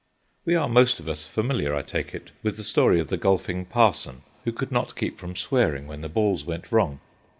We are most of us familiar, I take it, with the story of the golfing parson, who could not keep from swearing when the balls went wrong.